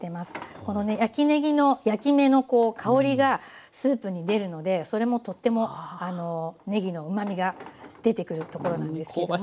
このね焼きねぎの焼き目の香りがスープに出るのでそれもとってもねぎのうまみが出てくるところなんですけども。